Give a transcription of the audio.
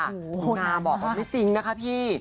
หนูนาบอกว่าไม่จริงนะคะพี่